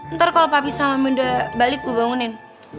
ntar kalau papi sama mami udah balik gue bangunin